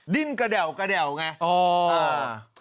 ดินกระแดวกระแดวกระแดวไง